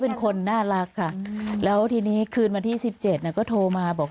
เป็นคนน่ารักค่ะแล้วทีนี้คืนวันที่สิบเจ็ดก็โทรมาบอก